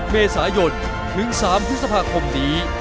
เมษายนถึง๓พฤษภาคมนี้